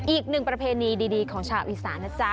อีกหนึ่งประเพณีดีของชาวอีสานนะจ๊ะ